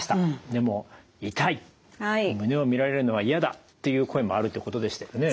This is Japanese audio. でも痛い胸を見られるのは嫌だという声もあるということでしたよね。